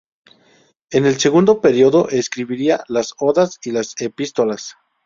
En el segundo periodo escribiría las "Odas" y las "Epístolas".